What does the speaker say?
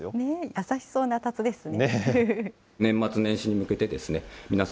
優しそうなたつですね。